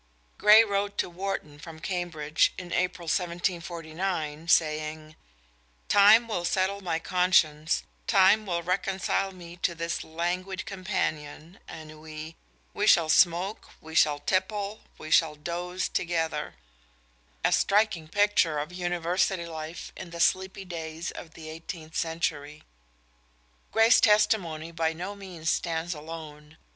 Gray wrote to Warton from Cambridge in April 1749 saying: "Time will settle my conscience, time will reconcile me to this languid companion (ennui); we shall smoke, we shall tipple, we shall doze together" a striking picture of University life in the sleepy days of the eighteenth century. Gray's testimony by no means stands alone.